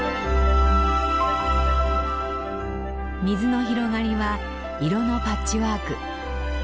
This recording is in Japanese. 水の広がりは色のパッチワーク。